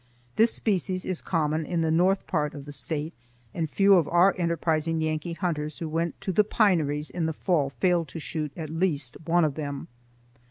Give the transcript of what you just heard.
This species is common in the north part of the State, and few of our enterprising Yankee hunters who went to the pineries in the fall failed to shoot at least one of them.